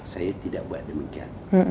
saya tidak buat demikian